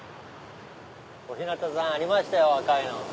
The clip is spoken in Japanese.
小日向さんありましたよ赤いの。